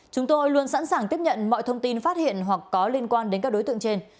chúng tôi luôn sẵn sàng tiếp nhận mọi thông tin phát hiện hoặc có liên quan đến các đối tượng trên